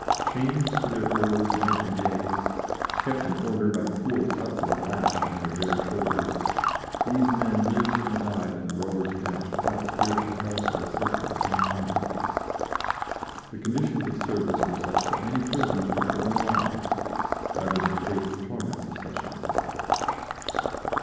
Chained to their oars night and day, kept in order by cruel cuts of the lash on their bare shoulders, these men lived and died on the rowers' bench without spiritual help or assistance of any kind. The conditions of service were such that many prisoners took their own lives rather than face the torments of such an existence.